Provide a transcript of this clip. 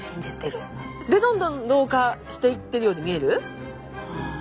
でどんどん老化していってるように見える？